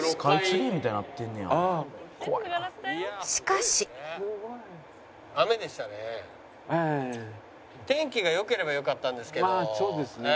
「しかし」天気が良ければよかったんですけど。